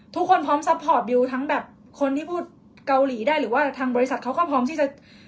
พร้อมซัพพอร์ตบิวทั้งแบบคนที่พูดเกาหลีได้หรือว่าทางบริษัทเขาก็พร้อมที่จะ